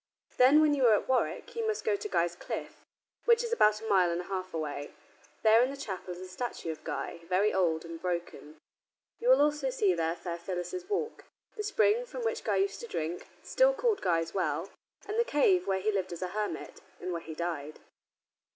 Then, when you are at Warwick, you must go to Guy's Cliff, which is about a mile and a half away. There, in the chapel, is a statue of Guy, very old and broken. You will also see there Fair Phyllis's Walk, the spring from which Guy used to drink, still called Guy's Well, and the cave where he lived as a hermit, and where he died.